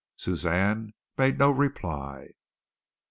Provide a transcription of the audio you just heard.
Suzanne made no reply.